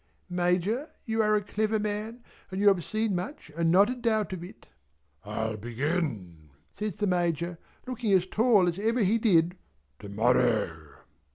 "Major you are a clever man and you have seen much and not a doubt of it." "I'll begin," says the Major looking as tall as ever he did, "to morrow."